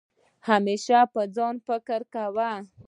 همېشه په ځان فکر کوه